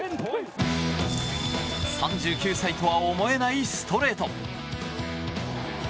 ３９歳とは思えないストレート！